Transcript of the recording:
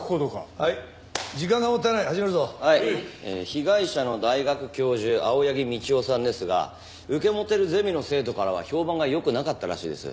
被害者の大学教授青柳道夫さんですが受け持ってるゼミの生徒からは評判が良くなかったらしいです。